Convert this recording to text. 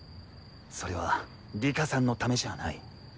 それは里佳さんのためじゃない。